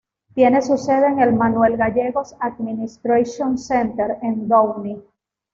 Tiene su sede en el "Manuel Gallegos Administration Center" en Downey.